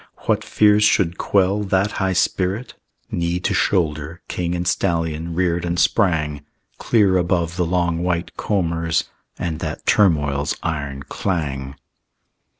What fears should quell That high spirit? Knee to shoulder, King and stallion reared and sprang Clear above the long white combers And that turmoil's iron clang.